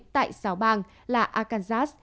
tại sáu bang là arkansas